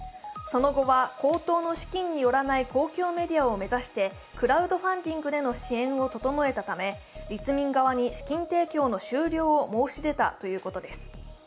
その後は公党の資金によらない公共メディアを目指してクラウドファンディングでの支援を整えたたため、立民側に資金提供の終了を申し出たということです。